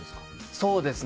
そうですね。